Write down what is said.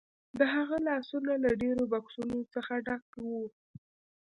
د هغه لاسونه له ډیرو بکسونو څخه ډک وو